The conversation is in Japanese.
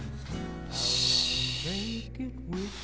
よし！